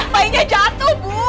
bayinya jatuh bu